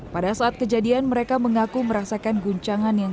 pada saat kejadian mereka mengaku merasakan guncangan yang